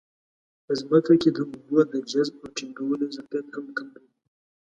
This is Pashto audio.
په ځمکه کې د اوبو د جذب او ټینګولو ظرفیت هم کم وي.